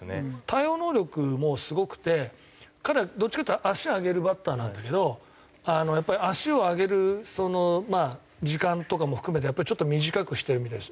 対応能力もすごくて彼はどっちかっていったら足上げるバッターなんだけどあのやっぱり足を上げる時間とかも含めてやっぱりちょっと短くしてるみたいです。